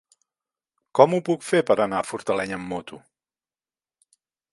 Com ho puc fer per anar a Fortaleny amb moto?